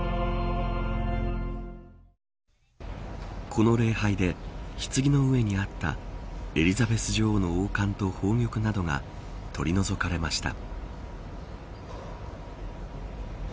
この礼拝で、ひつぎの上にあったエリザベス女王の王冠と宝玉などが取り除かれました。